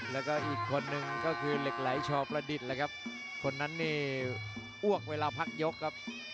แล้วก็อีกคนนึงก็คือเหล็กไหลชอประดิษฐ์เลยครับคนนั้นนี่อ้วกเวลาพักยกครับ